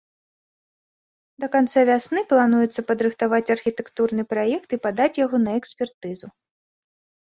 Да канца вясны плануецца падрыхтаваць архітэктурны праект і падаць яго на экспертызу.